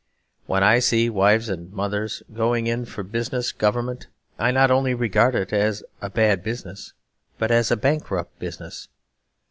When I see wives and mothers going in for business government I not only regard it as a bad business but as a bankrupt business.